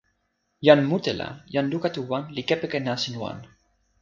jan mute la jan luka tu wan li kepeken nasin wan.